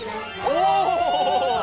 お！